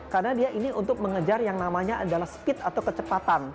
karena dia ini untuk mengejar yang namanya adalah speed atau kecepatan